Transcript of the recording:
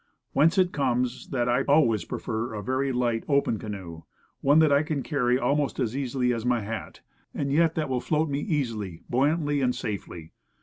Whence it comes that I always prefer a very light, open canoe; one that I can carry almost as easily as my hat, and yet that will float me easily, buoyantly, and safely.